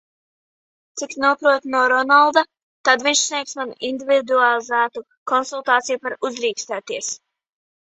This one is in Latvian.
Cik nopratu no Ronalda, tad viņš sniegs man individualizētu konsultāciju par "Uzdrīkstēties".